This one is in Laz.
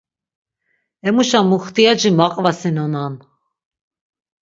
Emuşa muxtiyaci maqvasinonan.